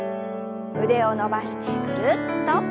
腕を伸ばしてぐるっと。